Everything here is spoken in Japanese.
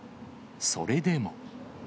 それでも。